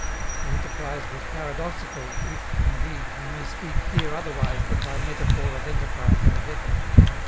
The enterprise was paradoxical, if, indeed, we may speak here otherwise than by metaphor of enterprise and of effort.